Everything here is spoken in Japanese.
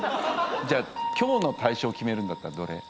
じゃあ今日の大賞決めるんだったらどれ？